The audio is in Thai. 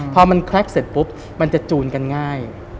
พอมันแคล็กเสร็จปุ๊บมันจะจูนกันง่าย